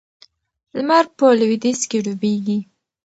لمر په لویدیځ کې ډوبیږي.